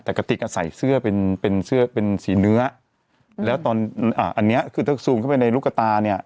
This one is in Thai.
แต่กระติกอ่ะใส่เสื้อเป็นเป็นเสื้อเป็นสีเนื้อแล้วตอนอ่าอันนี้คือถ้าซูมเข้าไปในลูกกระตาเนี่ย